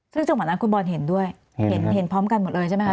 ซึ่งจังหวะนั้นคุณบอลเห็นด้วยเห็นพร้อมกันหมดเลยใช่ไหมคะ